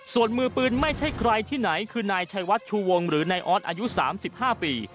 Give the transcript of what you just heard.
ส่วนมือปืนไม่ใช่ใครที่ไหนคือนายชัยวัดชูวงหรือนายออสอายุ๓๕ปี